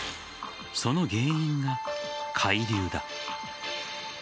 その原因が海流だ。